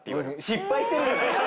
失敗してるじゃない。